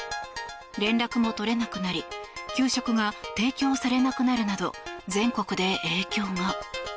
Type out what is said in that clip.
連絡も取れなくなり給食が提供されなくなるなど全国で影響が。